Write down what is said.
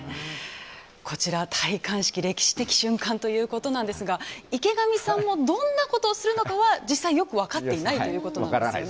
こちら、戴冠式歴史的瞬間ということなんですが池上さんもどんなことをするのかは実際、よく分かっていないということなんですよね。